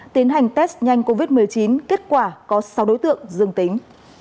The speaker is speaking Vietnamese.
tiến hành test nhanh covid một mươi chín kết quả có sáu đối tượng dương tính